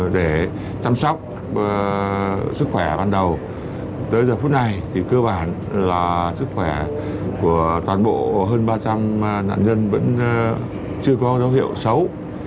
để chăm sóc sức khỏe ban đầu tới giờ phút này thì cơ bản là sức khỏe của toàn bộ hơn ba trăm linh nạn nhân vẫn chưa có dấu hiệu xấu